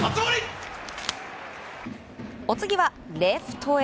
お次はレフトへ。